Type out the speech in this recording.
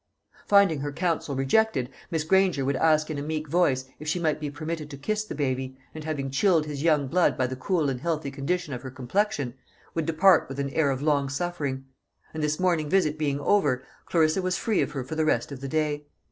Finding her counsel rejected, Miss Granger would ask in a meek voice if she might be permitted to kiss the baby, and having chilled his young blood by the cool and healthy condition of her complexion, would depart with an air of long suffering; and this morning visit being over, Clarissa was free of her for the rest of the day.